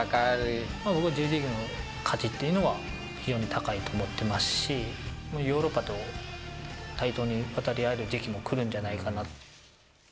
Ｊリーグの価値っていうのは、非常に高いと思ってますし、ヨーロッパと対等に渡り合える時期もくるんじゃないかな。